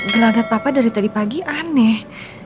gelagat papa dari tadi pagi aneh